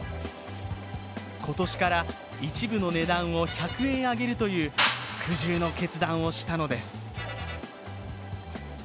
今年から一部の値段を１００円上げるという苦渋の決断をしたのです。